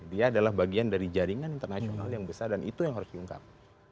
dia adalah bagian dari jaringan internasional yang besar dan itu yang harus diungkap